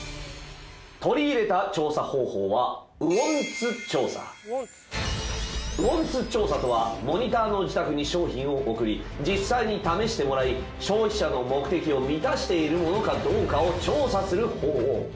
取り入れた調査方法はウォンツ調査とはモニターの自宅に商品を送り実際に試してもらい消費者の目的を満たしているものかどうかを調査する方法。